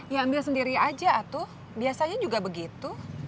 ya ambil sendiri aja tuh biasanya juga begitu